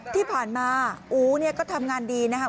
ที่ผ่านมาอู๋เนี่ยก็ทำงานดีนะคะ